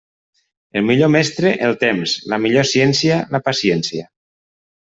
El millor mestre, el temps; la millor ciència, la paciència.